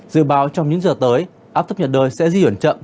dự báo trong những giờ tới áp thấp nhiệt đới sẽ di chuyển chậm